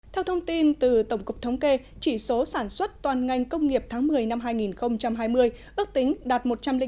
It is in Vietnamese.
theo thông tin từ tổng cục thống kê chỉ số sản xuất toàn ngành công nghiệp tháng một mươi năm hai nghìn hai mươi ước tính đạt một trăm linh năm